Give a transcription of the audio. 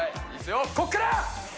こっから。